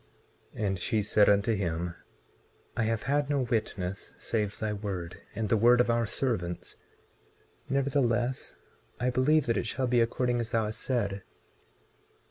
And she said unto him: I have had no witness save thy word, and the word of our servants; nevertheless I believe that it shall be according as thou hast said.